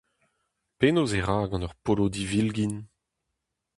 Penaos e ra gant ur polo divilgin !